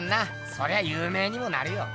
そりゃゆう名にもなるよ。